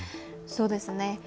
そうですね。